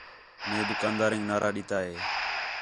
مئے دُکاندارینک نعرہ ݙِتا ہِے